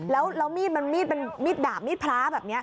แล้วมีดมันมีดด่ามีดพระแบบนี้